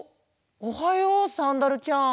おはようサンダルちゃん。